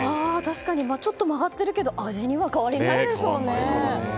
確かに、ちょっと曲がっているけど味には変わりないですもんね。